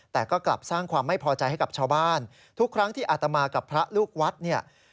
แต่ก็กลับสร้างความไม่พอใจให้กับชาวบ้านทุกครั้งที่อาตมากับพระลูกวัดเนี่ย